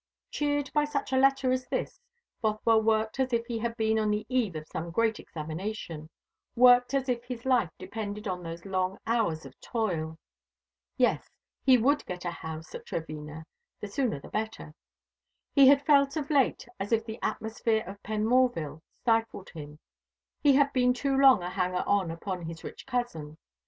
Cheered by such a letter as this, Bothwell worked as if he had been on the eve of some great examination worked as if his life depended on those long hours of toil. Yes, he would get a house at Trevena the sooner the better. He had felt of late as if the atmosphere of Penmorval stifled him. He had been too long a hanger on upon his rich cousin.